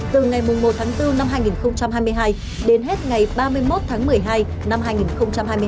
từ ngày một tháng bốn năm hai nghìn hai mươi hai đến hết ngày ba mươi một tháng một mươi hai năm hai nghìn hai mươi bốn